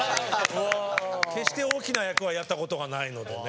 決して大きな役はやったことがないのでね。